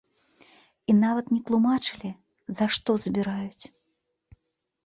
І нават не тлумачылі, за што забіраюць.